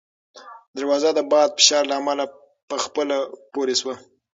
دروازه د باد د فشار له امله په خپله پورې شوه.